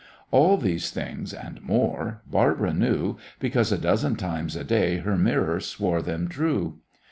All these things, and more, Barbara knew because a dozen times a day her mirror swore them true.